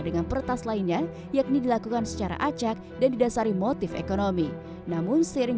dengan pertas lainnya yakni dilakukan secara acak dan didasari motif ekonomi namun sering